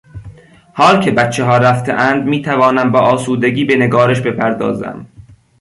حال که بچهها رفتهاند میتوانم با آسودگی به نگارش بپردازم.